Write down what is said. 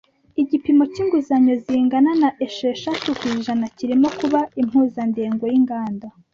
Igipimo cyinguzanyo zingana na esheshatu ku ijana kirimo kuba impuzandengo yinganda.